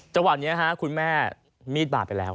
จังหวะนี้คุณแม่มีดบาดไปแล้ว